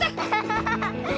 ハハハハ。